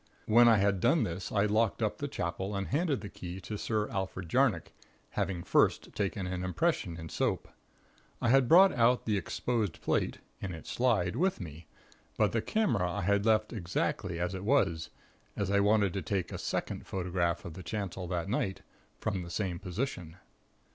When I had done this I locked up the Chapel and handed the key to Sir Alfred Jarnock, having first taken an impression in soap. I had brought out the exposed plate in its slide with me; but the camera I had left exactly as it was, as I wanted to take a second photograph of the chancel that night, from the same position.